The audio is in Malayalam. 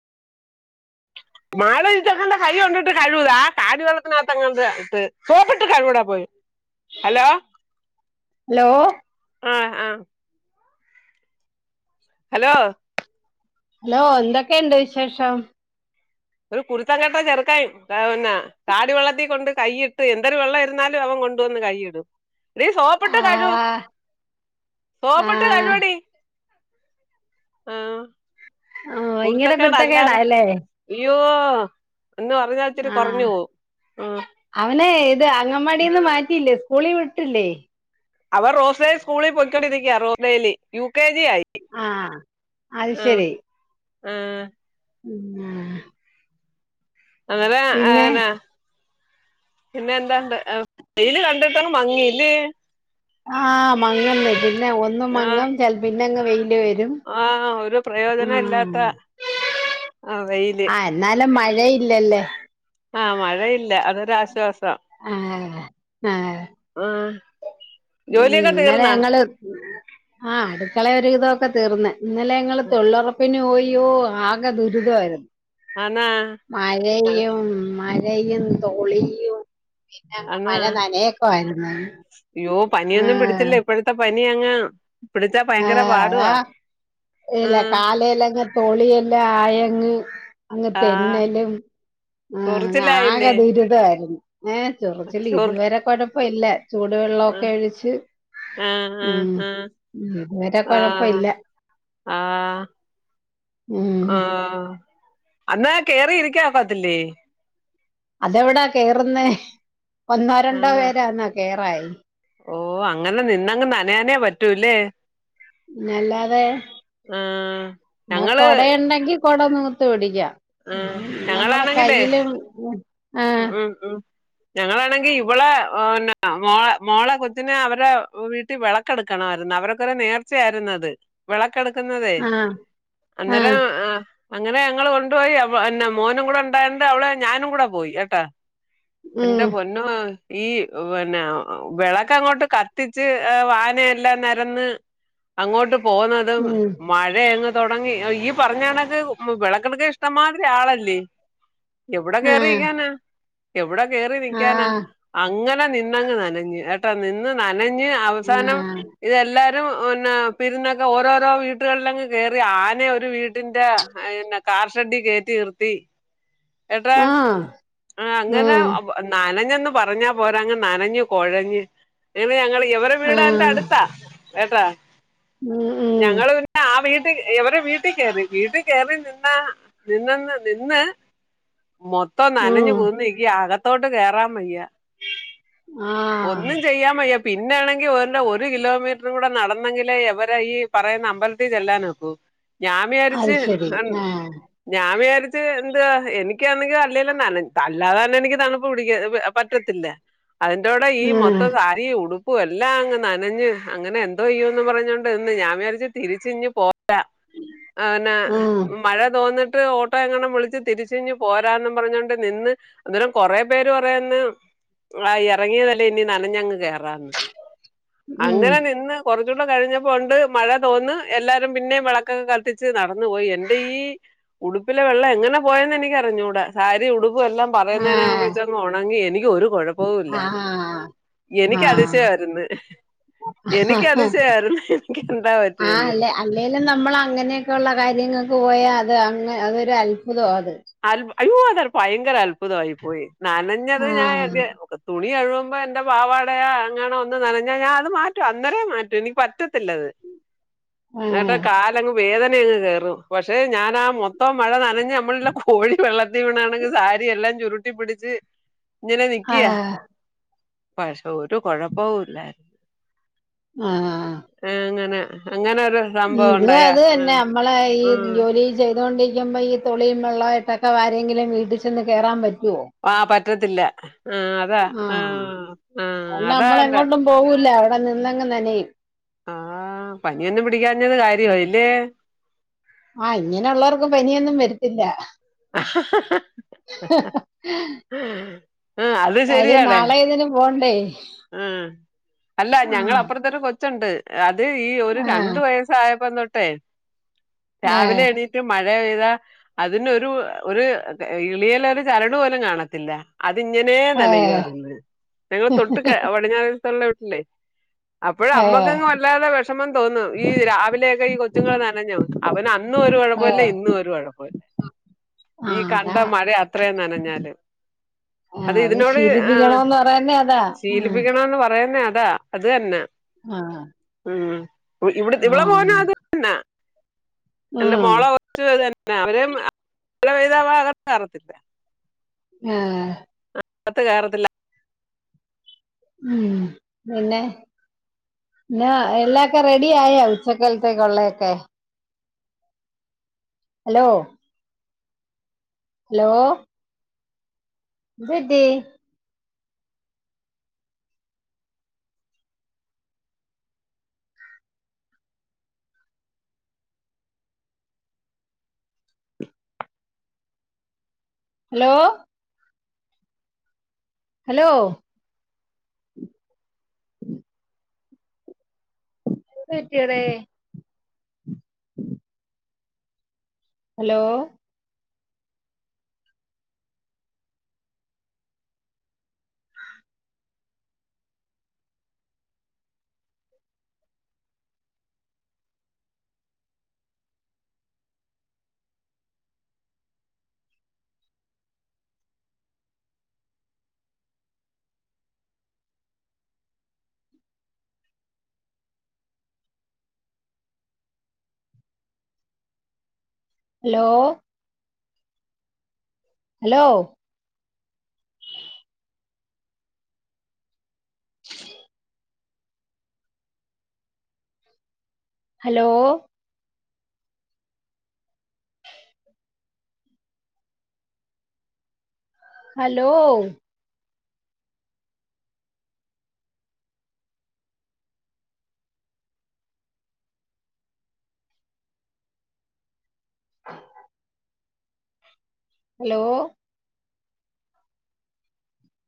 മാലയിട്ടട്ടൊണ്ട് കൈ കൊണ്ടിട്ട് കഴിവുവ ആ കാടി വെള്ളത്തിനകത്ത്ങ്ങാണ്ട് ഇട്ട് സോപ്പിട്ട് കഴുകെടോ പോയി. [unintelligible] ഹലോ ഹലോ ആഹ് ആഹ് ഹലോ? ഹലോ എന്തൊക്കെണ്ട് വിശേഷം ഒരു കുരുത്തംങ്കട്ട ചെറുക്കൻ ടായാ പിന്നെ കാടി വെള്ളത്തി കൊണ്ട് കൈയിട്ട് എന്തൊരു വെള്ളം ഇരുന്നാലും അവൻ കൊണ്ടുവന്ന് കൈയ്യിടും നീ സോപ്പിട്ട് കഴു ആഹ് സോപ്പിട്ട് ആഹ് കഴുകടി ആഹ് ആഹ് ഭയങ്കര കുരുത്തക്കേട് അല്ലാതാ കുരുത്തക്കേടാല്ലേ അയ്യോ ഒന്ന് പറഞ്ഞാൽ ഇച്ചിരി ആഹ് കകൊറഞ്ഞു പോവും അവനെ ഇത് അങ്ങവാടിന്ന് മാറ്റിയില്ലേ സ്കൂളി വിട്ടില്ലേ അവർ റോസേൽ സ്കൂളി പോയിക്കൊണ്ടിരിക്കയ റോസേൽ യു കെ ജി ആയി ആഹ് അത് ശരി ആഹ് ഉം അങ്ങനെ പിന്നെ ആയന്നെ പിന്നെ എന്തൊണ്ട് വെയില് കണ്ടിട്ടണ് മങ്ങിലെ ആഹ് മങ്ങന്നെ പിന്നെ ഒന്നു ആഹ് മങ്ങും ചെൽ പിന്നങ്ങ് വെയില് വരും ആഹ് ഒരു പ്രയോജന ഉം ഇല്ലാത്ത ആ വെയില് ഇന്നാലും മഴയില്ലല്ലേ ആഹ് മഴയില്ല അതൊരാശ്വാസം ആഹ് ആഹ് ആഹ് ഉം ജോലിയൊക്കെ ഇന്നലെ തീർന്നാ ഞങ്ങള് ആഹ് അടുക്കള ഒരു വിതമൊക്കെ തീർന്ന് ഇന്നലെ ഞങ്ങള് തൊയിലുറപ്പിന് പോയോ ആ കെ ദുരിതവായിരുന്നു ആന്നാ മഴയും മയ ഴയും തോളിയും പിന്നങ്ങ് മഴ നനയക്ക ആയിര്ന്ന് യ്യോ പനിയൊന്നും പിടിച്ചില്ലെ ഇപ്പഴത്തെ പനി അങ് പിടിച്ചാ ആ ഭയങ്കര അതാ പാടുവാ ഇല്ല ആഹ് കാലേലങ്ങ് തൊളിയെല്ലാ ആയങ്ങ് അങ്ങ് ആഹ് തെന്നലും ആഹ് ആകെ ചൊറിച്ചിലായില്ലേ ദുരിതായിരുന്നു ഏ ചൊർച്ചില് ചൊറി ഇതുവരെ കുഴപ്പ ഇല്ല ആഹ് ചൂടുവെള്ളൊക്കെ ഒഴിച്ച് ആഹ് ഉം ആഹ് ഇത് വെരെ കൊഴപ്പ ആഹ് ഇല്ല ആഹ് ഉം ആഹ് അന്നാ കേറി ഇരിക്കാ ഒക്കത്തില്ലേ അതെവിടാ കേറുന്ന ഒന്നോ രണ്ടോ പേരാന്നാ കേറായി ഓ അങ്ങനെ നിന്നങ്ങ് നനയാനേ പറ്റൂല്ലേ പിന്ന അല്ലാതെ ആഹ് പിന്ന ഞങ്ങള് കൊടയുണ്ടെങ്കി കൊട നിവർ ആഹ് [unintelligible] നമ്മുടെ ഞങ്ങളാണെങ്കിലേ കയ്യിലും ആഹ് ഉം ഉം ഞങ്ങളാണെങ്കി ഇവളെ ഇന്നെ മോളെ മോളെ കൊച്ചിനെ അവരെ വീട്ടി വെള ക്കെട് എടുക്കണമായിരുന്നു അവരൊക്കൊരെ നേർച്ചയായിര്ന്ന് അത് വെളക്കെടുക്കുന്നതേ ആഹ് ആഹ് അന്നേരം ആ അങ്ങനെ ഞങ്ങള് കൊണ്ടുപോയി പിന്നെ മോനും കൂടെ ഉണ്ടായണ്ട് അവളെ ഞാനും കൂടെ പോയി ട്ടാ ഉം എന്റെ പൊന്ന പിന്ന ഈ പിന്നെ വിളക്ക അങ്ങോട്ട് കത്തിച്ച് ആ വായനയെല്ലാം നെരന്ന് അങ്ങോട്ട് പന്നതും ഉം മഴയങ്ങ് തൊടങ്ങി ഈ പറഞ്ഞ കണക്ക് വിളക്കെടുക്ക ഇഷ്ടംമാതിരി ആളല്ലേ എവിടെ ആഹ് കേറിയിക്കാന എവിടെ കേറി നിക്കാനാ ആഹ് അങ്ങനെ നിന്നങ്ങ് നനഞ് നിന്ന് നനഞ്ഞ് അവസാനം ആഹ് ഇതെല്ലാരും പിന്നെ പിരുന്നൊക്കെ ഓരോരോ വീട്ടുകളിലങ്ങ് കേറി ആന ഒരു വീട്ടിന്റെെ കാർഷഡി കയറ്റി നിർത്തി ഏട്ടാ ആഹ് ആഹ് അങ്ങനെ ഉം നനഞ്ഞന്ന് പറഞ്ഞാ പോരാ അങ്ങ് നനഞ്ഞഞ് കോഴഞ്ഞ് നിങ്ങള് ഞങ്ങളി ഇവരെ വീട് അയിന്റെ ആഹ് അടുത്താ ഏട്ടാ ഉം ഉം ഞങ്ങള് പിന്നെ ആ വീട്ടിൽ എവടെ വീട്ടിൽ കറി വീട്ടിൽ കയറി നിന്ന നിന്നന്ന് നിന്നെ മൊത്തം തം നനഞ്ഞു ഉം കുന്നി നിക്ക ആകത്തോട്ട് കേറാ മയ്യ ആഹ് ഒന്നും ചെയ്യാമയ്യ പിന്നൊണെങ്കിൽ അവടെ ഒരു കിലോമീറ്ററ കൂടെ നടന്നെങ്കിലേ എവര് ഈ പറയുന്ന അമ്പലത്തിൽ ചെല്ലാൻ നോക്കു ഞാൻ അത് വിചാരിച്ച് ശരി ആഹ് ഞാൻ വിചാരിച്ച് എന്താ എനിക്കാന്നെങ്കിൽ അല്ലേലും നനഞ്ഞു അല്ലാതെ തന്നെ എനിക്ക് തണുപ്പ് പിട പറ്റത്തില്ല അതിന്റെറ കൂടെ ഈ ഉം മൊത്തം ഈ ഉടുപ്പും എല്ലാം അങ്ങ് നനഞ്ഞ് അങ്ങനെ എന്തോ ചെയയോന്ന് പറഞ്ഞോണ്ട് ഇന്ന് ഞാൻ വിചാരിചു തിരിച്ച് ഇങ് പോ [unintelligible] ആണ ഉം മഴ തോന്നിട്ട് ഓ ട്ടോ എങ്ങാനും വിളച്ച് തിരിച്ചിങ് പോരാന്നും പറഞ്ഞു കൊണ്ട് നിന്ന് അന്നേരം കൊറെേ പേര് പറയാന്ന് ആ ഇറങ്ങിയതല്ലേ ഇനി നനഞ്ഞങ്ങ് കേയറാന്ന് ഉം അങ്ങനെ നിന്ന് കുറച്ചൂടെ കഴിഞ്ഞപ്പോണ്ട് മഴ തോന്ന്ന്ന് എല്ലാരും പിന്നേ വിളക്കൊക്കെ കത്തിച്ച് നടന്നു പോയി എൻന്റെ ഈ ഉടുപ്പിലെ വെള്ളം എങ്ങനെ പോയെന്ന് എനക്ക് അറിഞ്ഞൂടെ സാരി ഉടുപ്പ എല്ലാം പറയുന്നതിനക ആഹ് വെച്ചോണെങ്കിൽ എനിക്ക് ഒരു കുഴപ്പവും ആഹ് ഇല്ലായിരുന്നു എനിക്ക് ആഹ് അതിശയയിരുന്നു എനിക്കതിശയായിരുന്നു എനിക്കെന്താ ആ പറ്റിയെ അല്ല അല്ലെങ്കലും നമ്മൾ അങ്ങനെയൊക്കെള്ള കാര്യങ്ങൾക്ക് പോയാ അത് അ അതൊരു അത്ഭുതം അത് അ അയ്യോ അതാ ഭയങ്കര അത്ഭുതമായി പോയി നനഞ്ഞത് ഞാൻ ആഹ് തുണി എഴുകുമ്പോ എന്റെ പാവാടയാ അങ്ങനണ ഒന്ന് നനഞ്ഞാൽ ഞാൻ അത് മാറ്റും അന്നേം മാറ്റും എനിക്ക് പറ്റത്തില്ലത് ഉം ട്ടാ കാലങ്ങ് വേദന അങ്ങ് കേറു പക്ഷേ ഞാനൻാ മൊത്തം മഴ നനഞ്ഞ് നമ്മള കോഴി വെള്ളത്തി വീണാണെങ്കിൽ സാരിയെല്ലാം ചുരുട്ടിപ്പിടിച്ച് ഇന്നലെ നിക്കിയാ ആഹ് പക്ഷെ ഒരു കൊഴപ്പവല്ലായി ആഹ ആ ആഹ് അങ്ങനെ അങ്ങനെരു ഇത് അത് തന്നെ നമ്മളെ ഈ ആഹ് ജോലി ചെയ്തൊണ്ടിരിക്കുമ്പോ ഈ തുളിയും വെള്ളമായിട്ടൊക്കെ ആരെങ്കിലും വീട്ടിൽ ചെന്ന് കേയറാ പറ്റുവോ ആഹ് പറ്റത്തില്ല ആഹ് അതാ ആഹ് ആഹ് അതുകൊണ്ട് അതാ എറെ നമ്മളെങ്ങോട്ടും പോവൂല്ല അവിടെ നിന്നെങ്ങും നനെയും ആഹ പനിയൊന്നും പിടിക്കാഞ്ഞത് ഉം കാര്യോല്ലേ ആഹ് ഇങ്ങനെുള്ളവർക്ക് പനിയൊന്നും വരത്തില്ല ആ അത് കാര്യം നാളെ ഏതിനും പോണ്ടേ ആഹ് അല്ല ഞങ്ങ ആഹ് അപ്പുറത്തൊ ഒരു കൊച്ചുണ്ട് അത് ഈ ഒരു ആഹ് രണ്ട വയസ്സായപ്പോ തോട്ടെ രാവിലെ എണീ മ മഴെയ്താ അതിനൊരു ഒരു ഇളിയല ഒരു ചരണ പോലും കാണത്തില്ല അതിങ്ങനെ ആഹ് നനയുമായിരുന്നു ഞങ്ങള്ൾ തൊട്ട് കെ വടഞ്ഞാറ തൊള്ള വട്ടലേ അപ്പോഴ ആഹ് ആഹ് അമ്മക്കങ്ങങ് വല്ലാതെ വിഷമം തോന്നും, ഈ രാവിലെയൊക്കെ ഈ കൊച്ചുങ്ങൾ നനഞ്ഞോ അവന അന്നും ഒരു കുഴപ്പം ആഹ് ല്ല ഇന്നും ഒരു കുഴപ്പമില്ല ഈ ആഹ് കണ്ട അതാ മഴ അതത്രേം നനഞ്ഞാല് ആഹ് അത് ഇതിനോട് ആഹ് ശീലിപ്പിക്കണോന്ന് [unintelligible] ആഹ് ശീലിപ്പിക്കണന്ന് പറയുന്നേ അതാ അത് തന്നെ ആഹ് ഉം ഇവിടെ ഇവടെ ആഹ് ഉം മോനു അതെന്നാ ന്റെ മോള [unintelligible] ആഹ് കത്ത് കേറത്ത്ല്ല ഉം പിന്നെ ലാ എല്ലാക്കെ റെഡിയായോ ഉച്ചക്കാൽത്തേക്കുള്ളൊക്കെ ഹലോ ഹലോ ദ് ട്ടി ഹലോ ഹലോ ത് റ്റ്യാടെ hello hello hello hello hello hello